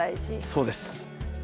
そうです。